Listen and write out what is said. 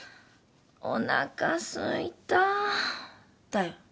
「おなかすいた」だよ。